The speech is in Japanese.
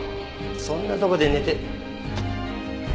そんなとこで寝て。